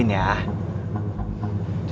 udah kali teh